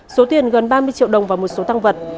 số tiền gần ba mươi triệu đồng và một số tăng vật